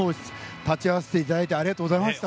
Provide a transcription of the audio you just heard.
立ち会わせていただいてありがとうございました。